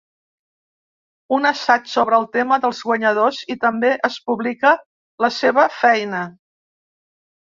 Un assaig sobre el tema dels guanyadors, i també es publica la seva feina.